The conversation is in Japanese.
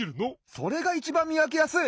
それがいちばんみわけやすい！